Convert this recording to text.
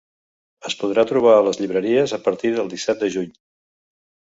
Es podrà trobar a les llibreries a partir del disset de juny.